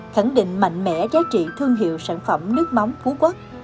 khẳng định mạnh mẽ giá trị thương hiệu sản phẩm nước mắm phú quốc